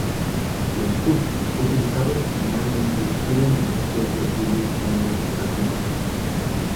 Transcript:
Los "hooks" utilizados normalmente tienen entre siete y diez segundos de duración.